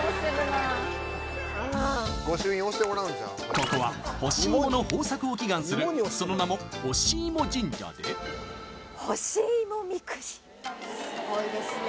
ここは干しいもの豊作を祈願するその名もほしいも神社でほしいもみくじすごいですね